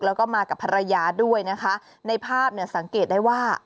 แล้วก็มากับภรรยาด้วยนะคะในภาพเนี่ยสังเกตได้ว่า